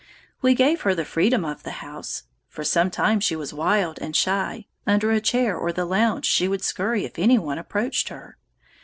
We gave her the freedom of the house. For some time she was wild and shy; under a chair or the lounge she would scurry if any one approached her.